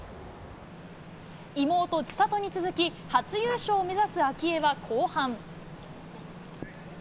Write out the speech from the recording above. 妹、千怜に続き初優勝を目指す明愛は後半。